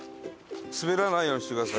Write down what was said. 滑らないようにしてください。